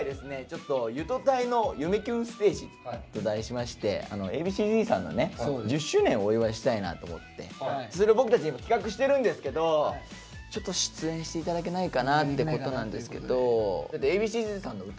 ちょっと「ゆとたいの夢キュンステージ」と題しましてＡ．Ｂ．Ｃ−Ｚさんのね１０周年をお祝いしたいなと思ってそれで僕たち今企画してるんですけどちょっと出演して頂けないかなってことなんですけど。